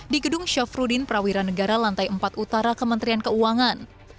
di gedung syafruddin prawiran negara lantai empat utara kementerian keuangan